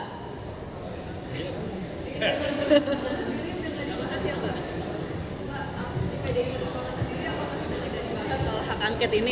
mbak pdip lupa lupa sendiri apa mbak sudah tidak dibahas soal h angket ini